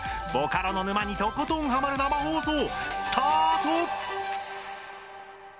ボカロの沼にとことんハマる生放送スタート！